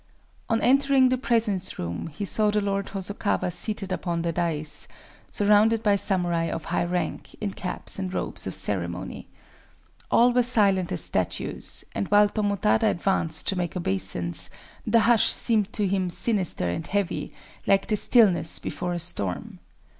On entering the presence room he saw the Lord Hosokawa seated upon the dais, surrounded by samurai of high rank, in caps and robes of ceremony. All were silent as statues; and while Tomotada advanced to make obeisance, the hush seemed to him sinister and heavy, like the stillness before a storm.